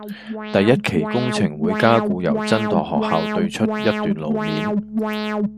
第一期工程會加固由真鐸學校對出一段路面